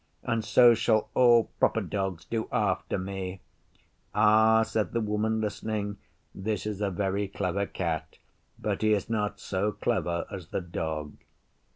And so shall all proper Dogs do after me.' 'Ah,' said the Woman, listening, 'this is a very clever Cat, but he is not so clever as the Dog.